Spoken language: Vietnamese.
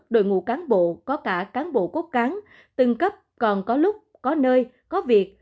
đội ngũ cán bộ có cả cán bộ cốt cán từng cấp còn có lúc có nơi có việc